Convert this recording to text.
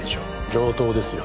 上等ですよ